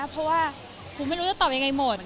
เพราะว่ากูไม่รู้จะตอบยังไงหมด